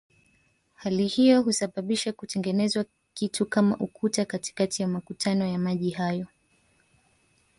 Hali hiyo husababisha kutengenezwa kitu kama ukuta katikati ya makutano ya maji hayo